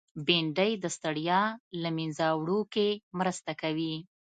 بېنډۍ د ستړیا له منځه وړو کې مرسته کوي